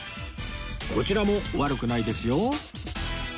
こちらも悪くないですよ